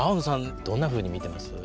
どんなふうに見てます？